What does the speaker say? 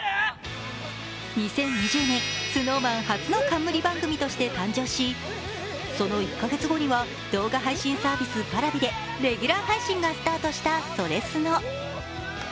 ２０２０年、ＳｎｏｗＭａｎ初の冠番組として誕生しその１か月後には動画配信サービスＰａｒａｖｉでレギュラー配信がスタートした「それスノ」。